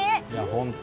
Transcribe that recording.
本当。